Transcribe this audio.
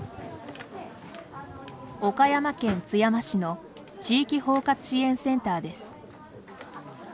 岡山県津山市の地域包括支援センターです。